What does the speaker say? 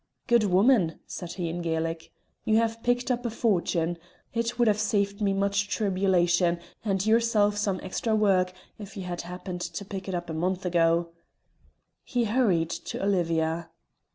"Good woman," said he in Gaelic, "you have picked up a fortune. It would have saved me much tribulation, and yourself some extra work, if you had happened to pick it up a month ago!" He hurried to Olivia.